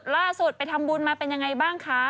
ล่าสุดไปทำบุญมาเป็นยังไงบ้างคะ